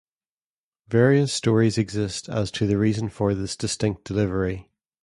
Various stories exist as to the reason for this distinct delivery.